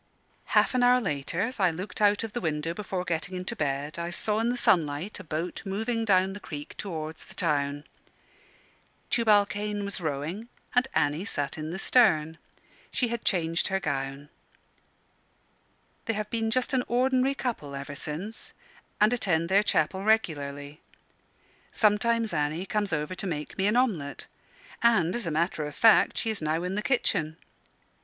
Half an hour later as I looked out of the window before getting into bed I saw in the sunlight a boat moving down the creek towards the town. Tubal Cain was rowing, and Annie sat in the stern. She had changed her gown. They have been just an ordinary couple ever since, and attend their chapel regularly. Sometimes Annie comes over to make me an omelet; and, as a matter of fact, she is now in the kitchen.